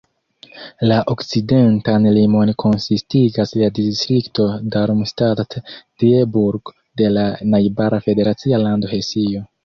La okcidentan limon konsistigas la distrikto Darmstadt-Dieburg de la najbara federacia lando Hesio.